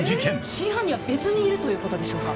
真犯人は別にいるということでしょうか